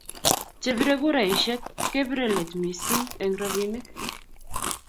chebire kuraishek kepiree leet missing eng robinik